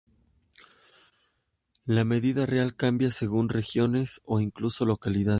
La medida real cambia según regiones o incluso localidades.